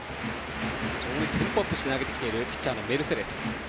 非常にテンポアップして投げてきているピッチャーのメルセデス。